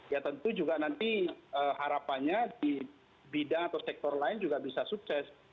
ya tentu juga nanti harapannya di bidang atau sektor lain juga bisa sukses